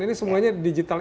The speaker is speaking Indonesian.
ini semuanya digital